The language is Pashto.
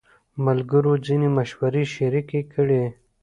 ملګرو ځینې مشورې شریکې کړې.